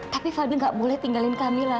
tapi fadil gak boleh tinggalin kamila